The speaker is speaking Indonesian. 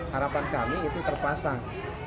harapan kami itu terpasang